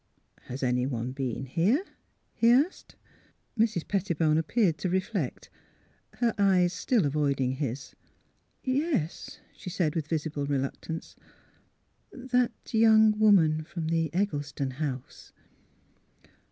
" Has anyone been here? " he asked. Mrs. Pettibone appeared to reflect, her eyes still avoiding his. *' Yes," she said, with visible reluctance, " that young woman from the Eggleston house."